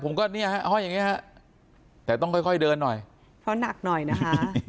ผมก็เนี่ยฮะห้อยอย่างเงี้ฮะแต่ต้องค่อยค่อยเดินหน่อยเพราะหนักหน่อยนะคะ